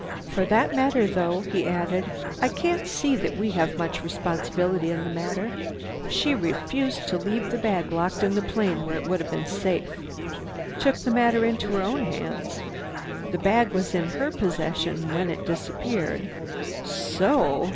"For that matter, though," he added, "I can't see that we have much responsibility in the matter. She refused to leave the bag locked in the plane where it would have been safe. Took the matter in her own hands. The bag was in her possession when it disappeared. So—o!"